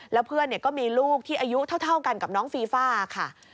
แล้วเพื่อนก็มีลูกที่อายุเท่ากันกับน้องฟีฟ่าค่ะ